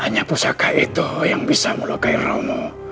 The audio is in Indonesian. hanya pusaka itu yang bisa melukai romo